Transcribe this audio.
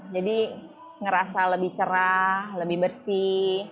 jadi ngerasa lebih cerah lebih bersih